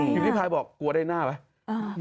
อยู่ที่พลายบอกกลัวได้หน้าไหม